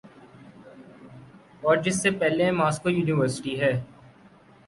اورجس کے پیچھے Moscow university ہے۔